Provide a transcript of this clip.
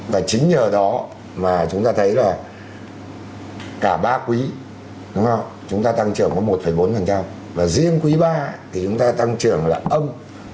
và chính nhờ đó mà chúng ta thấy là cả ba quý chúng ta tăng trưởng có một bốn và riêng quý ba thì chúng ta tăng trưởng là âm tám